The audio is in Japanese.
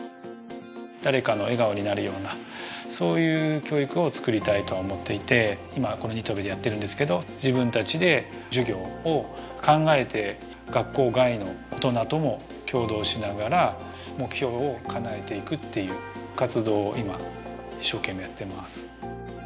誰かの笑顔になるようなそういう教育をつくりたいとは思っていて今この新渡戸でやってるんですけど自分達で授業を考えて学校外の大人とも共同しながら目標をかなえていくっていう活動を今一生懸命やってます